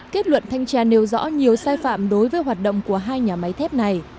kết luận thanh tra nêu rõ nhiều sai phạm đối với hoạt động của hai nhà máy thép này